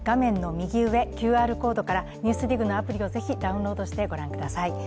右上、ＱＲコードから、「ＮＥＷＳＤＩＧ」のアプリをぜひ、ダウンロードしてご覧ください。